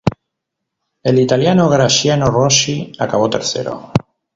El italiano Graziano Rossi acabó tercero.